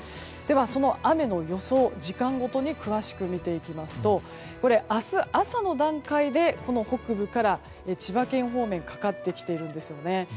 その雨の予想、時間ごとに詳しく見ていきますと明日朝の段階で北部から千葉県方面かかってきているんですね。